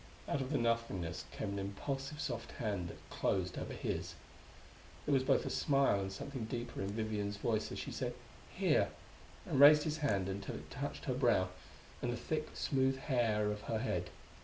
Out of the nothingness came an impulsive soft hand that closed over his. There was both a smile and something deeper in Vivian's voice as she said, "Here," and raised his hand until it touched her brow and the thick smooth hair of her head.